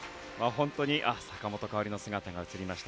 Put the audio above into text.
坂本花織の姿が映りました。